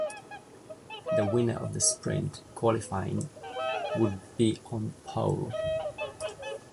The winner of the sprint qualifying would be on pole.